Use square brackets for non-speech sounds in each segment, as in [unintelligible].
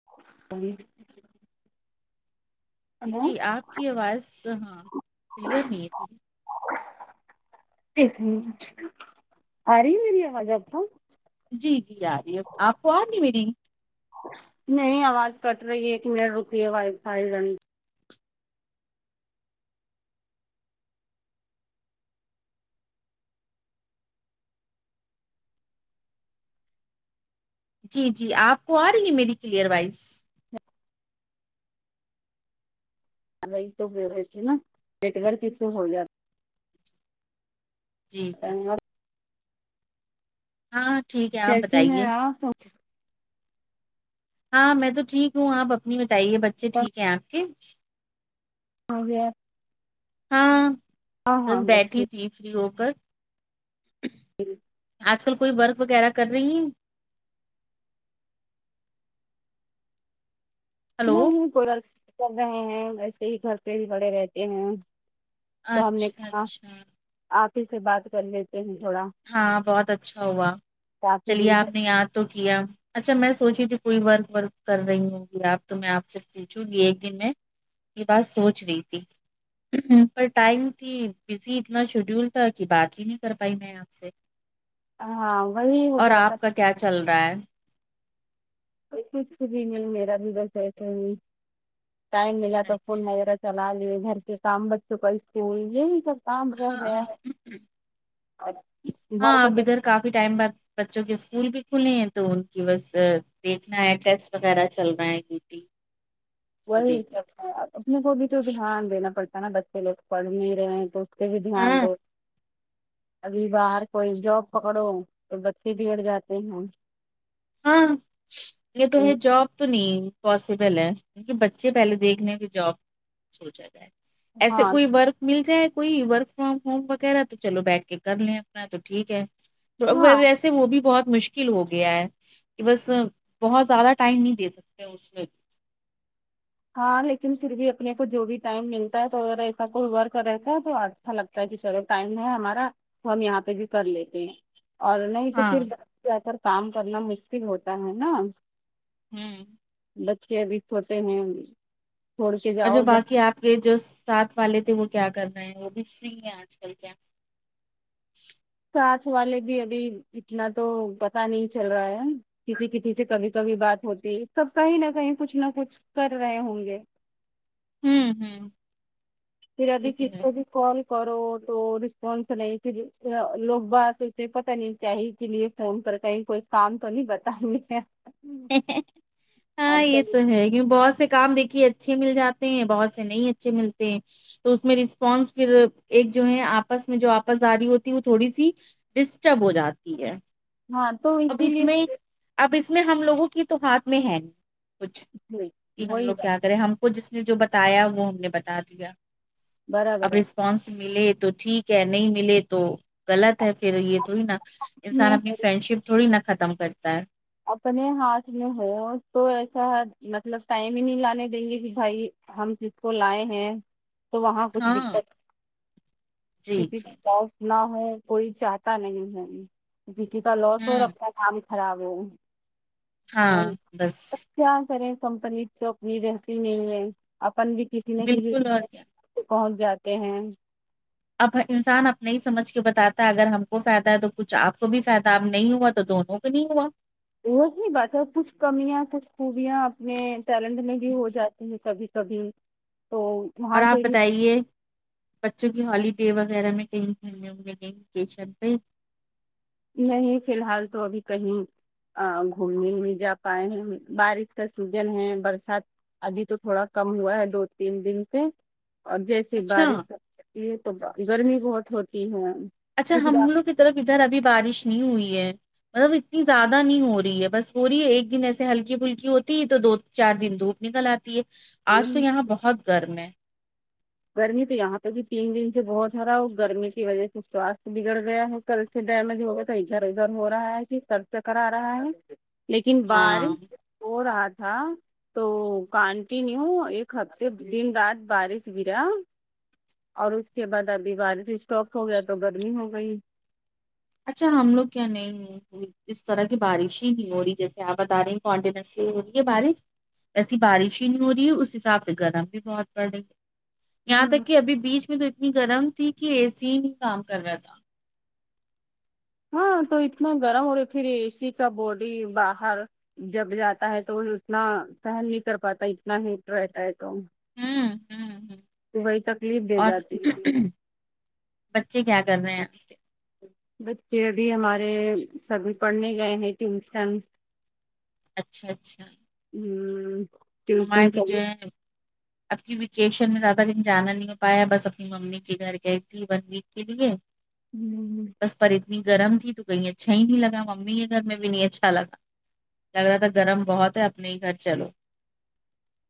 [unintelligible] ا جی آپ کی اوائس ہاں کلیئر نہیں ہے تھوڑی ای ایمک آ رہی میری آواز آتا جی جی آ رہی ہے آپ کو آ نہیں مری نہیں آواز کٹ رہی ہے ایک منٹ رکی آواز فائی جنی بجی جی آپ کو آ رہی ہے میری کلیئر وائز اائی تو نا پیٹ گھر کیس ہو جاتا جی بن جی جی ہے اور ہاں ٹھیک ہے آپ کیسی بتائیے ہیں آپ ہاں میں تو ٹھیک ہوں آپ اپنی بتائیے بچے ٹھیک ہیں آپ کے ہو گے ہاں بس ہاں بچے بیٹھی تھی فری ہو کر جی آج کل کوئی ورک وغیرہ کر رہی ہے ہلو نہیں کو کر رہے ہیں ویسے ہی گھر پہ بھی بڑے رہتے ہیں تو ہم نے اچھا کہا اچھا آپ ہی سے بات کر لیتے ہیں تھوڑا ہاں بہت اچھا ہوا کافی چلیے دن سے آپ نے یاد تو کیا اچھا میں سوچی تھی کوئی ورک ورک کر رہی ہوںگی آپ تو میں آپ سے پوھ گی ایک دن میں یہ بات سوچ رہی تھی پر ٹائم تھی بزی اتنا شیڈیول تھا کہ بات ہی نہیں کر پائی میں آپ سے ہاں وہی ہو اور جاتا آپ کا کیا چل رہا ہے کچھ بھی میل میرا بھی بسسے ٹائم ملا تھا فون اچھا وغیرہ چلا لیے گھر کے کام بچوں کو اس کے یہ بھی سب کام رہ گیا ہاں اچا ہاں اب ادھر کافی ٹائم بعد بچوں کے اسکول بھی کھلے ہیں تو ان کی بس دیکھنا ہے ٹیسٹ وغیرہ چل رہا ہے یٹی وہی اپنے کو بھی تو دھیان دینا پڑتا ہے نا بچے لوگ پڑھنے رہے ہیں تو بھی دھیان ہاں دو ابھی باہر کوئی جاب پکڑو اور بچے بگڑ جاتے ہیں ہاں یہ تو یہ جاب تو نہیں پاسبل ہے کیونکہ بچے پہلے دیکھنے کی جاب سوچا جائے ایسے ہاں کوئی بور مل جائے کوئی ورک فرام ہوم وغیرہ تو چلو بیٹھ کے کر لیں اپنا تو ٹھیک ہے تو ہاں ویسے وہ بھی بہت مشکل ہو گیا ہے کہ بس بہت زیادہ ٹائم نہیں دے سکتے اس میں ہاں لیکن پھر بھی اپنے کو جو بھی ٹائم ملتا ہے تو ا ایسا کوئی ور کا رہتا ہے تو آج اچھا لگتا ہے کہ سرو ٹائم ہے ہمارا تو ہم یہاں پہ بھی کر لیتے ہیں اور نہیں تو ہاں پھر ج کر کام کرنا مشکل ہوتا ہے نا ہوں بچے ا بھی سوتے ہیں چھوڑ کے اور جو جاؤ جب باقی آپ کے جو ساتھ والے تھے وہ کیا کر رہ ہے وہ بھی فری ہے آج کل کیا ساتھ والے بھی ابھی اتنا تو پتا نہیں چل رہا ہے کسی کسی سے کبھی کبھی بات ہوتی سب صحی نہ کہیں کچھ نہ کچھ کر رہے ہوں گے ہوں ہوں پھر ابھی یہ تو کس کو ہے بھی کال کرو تو رسپانس نہیں لوگ بس اس سے پتہ نہیں چاہے کے لیے تو ان پر کہیں کوئی کام تو نہیں بتا ہاں یہ تو ہے کی بہت سے کام دیک اچھے مل جاتے ہیں بہت سے نہیں اچھے ملتے ہیں تو اس میں رسپانس پھر ایک جو ہے آپس میں جو آپس ج رہی ہوتی وہ تھوڑی سی ڈسٹرب ہو جاتی ہے ہاں تو اب اسی اس میں لیے اب اس میں ہم لوگوں کی تو ہاتھ میں ہے کچھ کہ ہم وہی لوگ کیا کریں ہم کو جس نے جو بتایا وہ ہم نے بتا دیا برابر اب رسپانس ملے تو ٹھیک کہ نہیں ملے تو غلط ہے پھر یہ تو ہی نا انسان اپنی ہے فرینڈ شپ تھوڑی نا ختم کرتا ہے اپنے ہاتھ میں ہو تو ایسا مطلب ٹائم ہی نہیں لانے دیں گے کہ بھائی ہم کس کو لائے ہیں تو وہاں کچھ ہاں دقت جی کسی جی نہ ہو کوئی چاہتا نہیں ہے بیٹی کا لوس ہو ہوں اپنا کام خراب ہو ہاں بس کیا کریں کمپلیٹ تو اپنی رہتی- کسی بالکل اور کیا نے کون جاتے ہیں اب انسان اپنے ہی سمجھ کے بتاتا اگر ہم کو فائدہ ہے تو کچھ اپ کو بھی فائدہ نہیں ہوا تو دونوں نہیںوا وہ اتنی بات ہے کچھ کمی ہے کچھ خوبیاں اپنے- پیرنٹ میں بھی ہو جاتی ہے تبھی تو ابھی تو اور وہاں اپ سے بھی بتائیے- بچوں کی خالی ٹیبل وغیرہ میں کہیں- نہیں فی الحال تو ابھی کہیں گھومنے میں جا پائے ہیں بارش کا سوجن ہیں برسات- علی تو تھوڑا کم ہوا ہے دو تین دن سے اور اچھا گرمی بہت ہوتی ہے- اچھا، اس ہم بات دونوں کی طرف ادھر ابھی بارش نہیں ہوئی ہے- اب اتنی زیادہ نہیں ہو رہی ہے بس ہو رہی ہے ایک دن ایسے ہلکی پھلکی ہوتی ہے تو دو، چار دن دھوپ نکل اتی ہے اج تو یہاں بہت گرم ہے- سر نہیں تو یہاں پہ بھی تین دن سے بہت ہرا گرمی کی وجہ سے تو اس بگڑ گیا ہو کل ہو رہا ہے کہ سر سے کرا رہا ہے لیکن بار ہاں ہو رہا تھا تو کنٹینیو ایک ہفتے دن رات بارش- میرا اور اس کے بعد ابھی بارش سٹاپ ہو گیا تو گرمی ہو گئی اچھا ہم لوگ کیا نہیں اس طرح کی بارشیں نہیں ہو رہی جیسے اپ بتا رہی ہوں کونٹینسلی ان کے بارش- ایسی بارش ہی نہیں ہو رہی اس حساب سے گرم بھی بہت بڑے یہاں ہوں تک کہ ابھی بیچ میں تو اتنی گرم تھی کہ جی کام کر رہا تھا ہاں تو اتنا گرم اور اس کے لیے اسی کا باڈی باہر- جب جاتا ہے تو اتنا ٹائم نہیں کر پاتا اتنا نہیں رہتا ہے تو ہوں ہ ہ تو وہی تکلیف دے اور جاتی ہے۔ بچے کیا کر رہے ہیں? یہ ابھی ہمارے سبھی پڑھنے گئے ہیں ٹیوشن- اچھا -اچھا ہوں ہمارے بھی جو ہے اپ کی ایپلیکیشن میں زیادہ لیکن جانا نہیں پایا بس اپنی امی کے گھر گئی تھی ٹھیک ہے اپ کی ہوں بس پری اتنی گرم تھی تو کہیں اچھا ہی نہیں لگا ممی کے گھر میں بھی نہیں اچھا لگا- لگ رہا تھا گرم بہت ہے اپنے گھر چلو-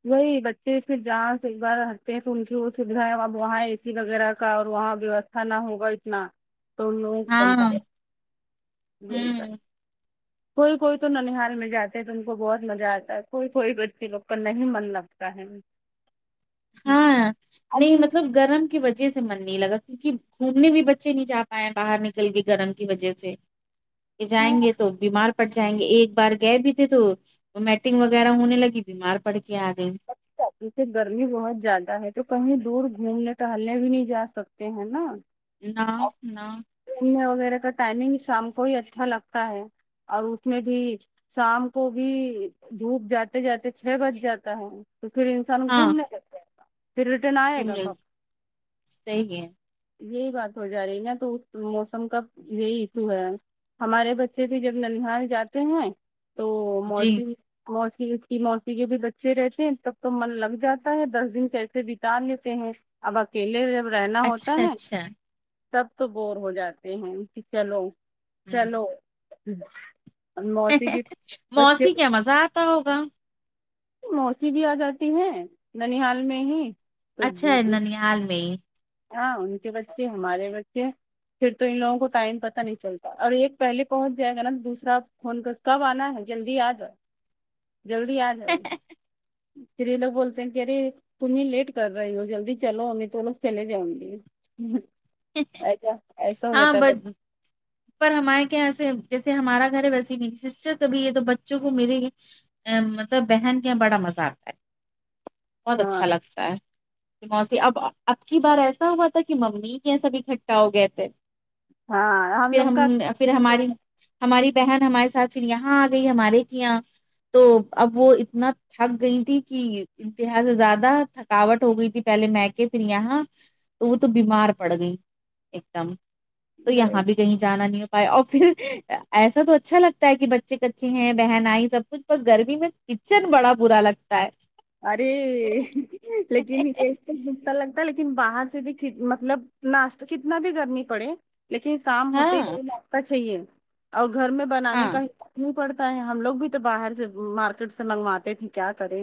وہی بچے پھر جہاں سے ایک بار ہٹتے ہیں تو ان کے وغیرہ کا اور وہاں بھی انا ہوگا اتنا تم لوگ ہاں ہوں کوئی- کوئی, تو ننہال مل جاتے ہیں تم کو بہت مزہ اتا ہے کوئی کوئی گچی لوکل نہیں بن سکتا ہے [unintelligible] ہاں نہیں ابھی مطلب گرم کی وجہ سے- من نہیں لگا کیونکہ گھومنے بھی بچے نہیں جا پائے باہر نکل کے گرم کی وجہ سے یہ جائیں گے تو بیمار - پڑ جائیں گے ایک بار گئے بھی تھے تو میٹنگ وغیرہ ہونے لگی بیمار پڑ کے ا گئی [unintelligible] گرمی بہت زیادہ ہے تو کہیں دور گھومنے ٹالنے بھی نہیں جا سکتے ہیں نا ن- ن میرے کو ٹائم ہی شام کو ہی اچھا لگتا ہے - اور اس میں بھی شام کو بھی دھوپ جاتے جاتے چھ بج جاتے [unintelligible] ہ صحی ہے یہی بات ہو جا رہی ہے ن تو موسم کا یہی ایشو ہے ہمارے بچے بھی جب ننار جاتے ہیں تو جی موسم موسی اس کی موسی کے بھی بچے رہتے ہیں تب تو من لگ جاتا ہے دس دن کییسے بتاان لیتے ہیں اب اکیلے جب رہنا ہوتا اچھا ہے اچھا تب تو بور ہو جاتے ہیں کہ چلو ہوں چلو موسی کی بے زاتدہ ہوگا موسی بھی آ جاتی ہے ننیحال میں ہی تو اچھا ہے ننیال میں ہی ہاں ان کے بچے ہمارے بچے پھر تو ان لوگوں کو ٹائم پتا نہیں چلتا اور ایک پہلے پہنچ جائے گا نا دوسرا فون کر کب آنا ہے جلدی آ جاؤ جلدی آ جاؤ پھر یہ لو بولتے ہیں کہ ارے تمیں لیٹ کر رہے ہو جلدی چلوی تو لوگ چلے جاؤں گی ہ ایسا ایسا ہو ہاں جاتا ہے بٹ پر ہمارے کیااں ایسے جیسے ہمارا گھر ہے ویسے میری سسٹر کبھی یہ تو بچوں کو میرے ا مطلب بہن کے یہاں بڑا مزہ آتا ہے بہت ہاں اچھا لگتا ہے موسی اب اب کی بار ایسا ہوا تھا کہ ممی کیا سب اکٹھا ہو گئے تھے ہاں پھر لوگ ہم کا پھر ہماری ہماری بہن ہمارے ساتھ پھر یہاں آ گئی ہمارے کی یہاں تو اب وہ اتنا تھک گئی تھی کہ انتہا سے زیادہ تھکاوٹ ہو گئی تھی پہلے میں کے پھر یہاں تو وہ تو بیمار پڑ گئی ایک دم تو یہاں بھی کہیں جانا نہیں ہو پائے اور پھر ایسا تو اچھا لگتا ہے کہ بچے کچے ہیں بہن آئی سب کچھ تو گرمی میں کچن بڑا برا لگتا ہے ارے لیکین گھستا لگتا ہے لیکن باہر سے بھی مطلب ناشہ کتنا بھی کررمی پڑے لیکن شام ہوتے ہی ہاں دیر لگتا چاہیے اور گھر میں بنانے ہاں کا ح نہیں پڑتا ہے ہم لوگ بھی تو باہر سے مارکیٹ سے منگواتے تھے کیا کریں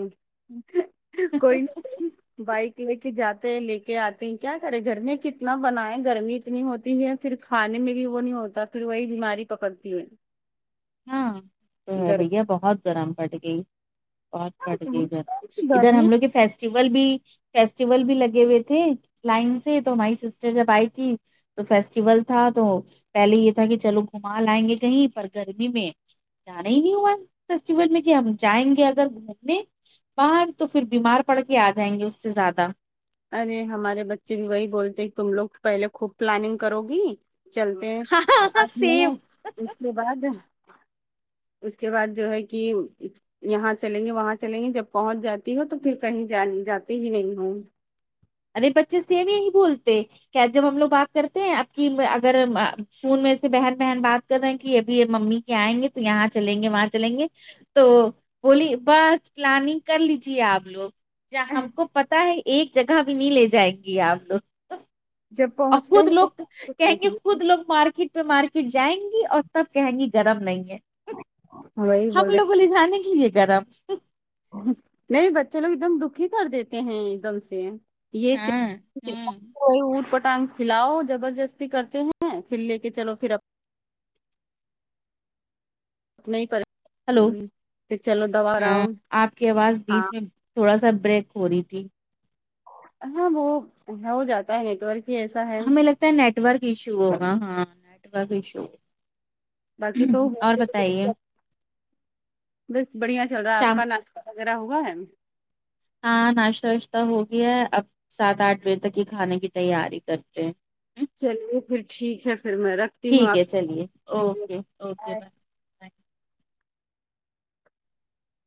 کوئی نہیں بائک لے کے جاتے ہیں لے کے آتے ہیں کیا کرے گرمی کتنا بنا ہے گرمی اتنی ہوتی ہے پھر کھانے میں بھی وہ نہیں ہوتا پھر وہی بیماری پکڑتی ہے ہاں تو ہے گرمی بھیا بہت گرم پٹ گئی بہت پڑ گئے ادھر ادھر گرمی ہم لوگ کے فیس فسٹیول بھی فیسٹیول بھی لگے ہوئے تھے لائن سے تو ہماری سسٹر جب آئی تھی تو فیسٹیول تھا تو پہلے یہ تھا کہ چلو گھما لائیں گے کہیں پر گرمی میں جانا ہی نہیں ہوا فیسٹیول میں کہ ہم جائیں گے اگر گھومنے بر تو پھر بیمار پڑ کے آ جائیں گے اس سے زیادہ ارے ہمارے بچے بھی وہی بولتے تم لوگ پہلے خوب پلاننگ کرو گی چلتے ہیں ہاں ساتھ میں سیب اس کے بعد اس کے بعد جو ہے کہ یہاں چلیں گے وہاں چلیں گے جب پہنچ جاتی ہو تو پھر کہیں ج جاتی ہی نہیں ہوں ارے بچے سی بھی ہی بولتے کیا جب ہم لوگ بات کرتے ہیں آپ کی اگر فون میں سے بہن بہن بات کر ہیں کہ ابھی یہ ممی کے آئیں گے تو یہاں چلیں گے وہاں چلیں گے تو بولی بس پلاننگ کر لیجیے آپ لوگ کیا ہم کو پتا ہے ایک جگہ بھی نہیں لے جائیں گی آپ لوگ جب اور پہنچتے خود لوگ کہیں گے ہیں خود لوگ مارکیٹ پہ مارکیٹ جائیں گی اور تب کہیں گی گرم نہیں ہے وہی ہم بول لوگوں لے جانے کے لیے کرم نہیں بچے لوگ ایک دم دکھی کر دیتے ہیں ایک دم سے یہ ہاں ہوں وہ اٹ پٹانگ پھلاؤ زبردستی کرتے ہیں پھر لے کے چلو پھر ا نہیں پ ہلو ہاں آپ کی آواز ہاں بیچ میں تھوڑا سا بریک ہو رہی تھی ہاں وہ ہو جاتا ہے نیٹورک ہی ایسا ہے نیٹورک ایشو ہوگا ہاں نیٹورک ایشو باقی تو اور ائ بس بڑھیا چل رہا ہے آپ کا ناشہ وغیرہ ہوا ہے ہاں ناشتہ واشتہ ہو گیا ہے اب سات آٹھ بجے تک ہی کھانے کی تیاری کرتے ہیں چلیے پھر ٹھیک ہے پھر میں رکھ ٹھیک ہے چلیے اوکے اوکے بائے